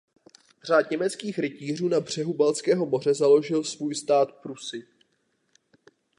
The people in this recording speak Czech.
Řád německých rytířů na břehu Baltského moře založil svůj stát Prusy.